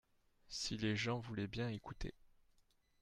si les gens voulaient bien écouter.